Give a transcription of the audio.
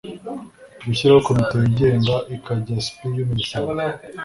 gushyiraho komite yigenga ikajya spiu minisante